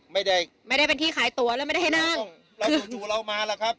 ไม่ได้ไม่ได้เป็นที่ขายตัวแล้วไม่ได้ให้นั่งแล้วจู่จู่เรามาล่ะครับ